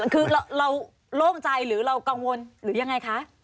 คือเราโล่งใจหรือเรากังวลหรือยังไงคะ